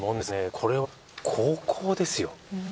これは高校ですよ。